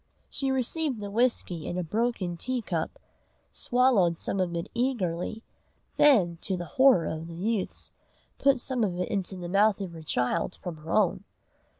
She received the whisky in a broken tea cup, swallowed some of it eagerly, then, to the horror of the youths, put some of it into the mouth of her child from her own.